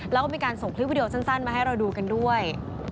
แล้วก็มีการส่งคลิปวิดีโอสั้นมาให้เราดูกันด้วย